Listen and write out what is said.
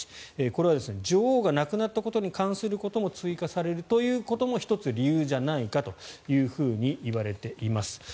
これは女王が亡くなったことに関することも追加されるということも１つ、理由じゃないかといわれています。